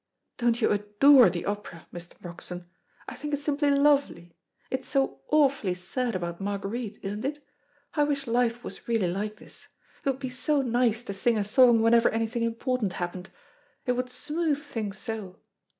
Don't you adore the opera, Mr. Broxton? I think it's simply lovely. It's so awfully sad about Marguerite, isn't it? I wish life was really like this. It would be so nice to sing a song whenever anything important happened. It would smooth things so.